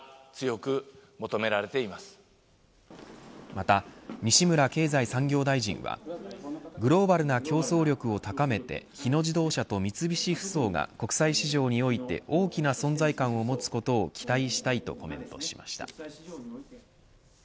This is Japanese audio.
また、西村経済産業大臣はグローバルな競争力を高めて日野自動車と三菱ふそうが国際市場において大きな存在感を持つことを期待したいとコメントしました。